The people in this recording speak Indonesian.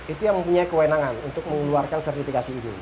itu yang mempunyai kewenangan untuk mengeluarkan sertifikasi itu